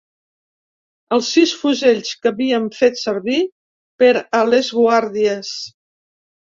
Els sis fusells que havíem fet servir per a les guàrdies